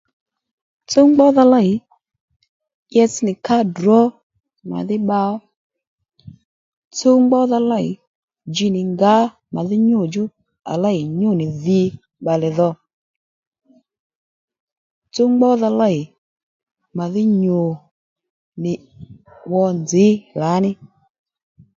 Tsúw gbódha lêy itsś nì ka drǒ màdhí bba ó tsúw gbódha lêy dji nì ngǎ màdhí nyû djú à lêy nyû nì dhǐ bbalè dho tsúw gbódha lêy màdhí nyû nì 'wò nzǐ lǎní